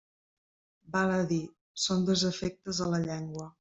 Val a dir, són desafectes a la llengua.